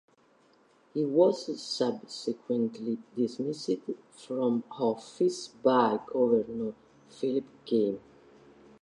He was subsequently dismissed from office by Governor Philip Game.